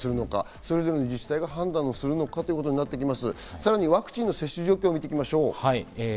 それぞれの自治体が判断するのかということになってきますが、ワクチンの接種状況を見ていきましょう。